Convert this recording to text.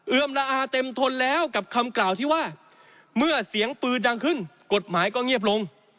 ละอาเต็มทนแล้วกับคำกล่าวที่ว่าเมื่อเสียงปืนดังขึ้นกฎหมายก็เงียบลง